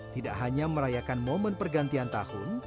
tidak hanya merayakan momen pergantian tahun